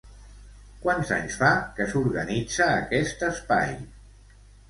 Quants anys fa que s'organitza aquest espai?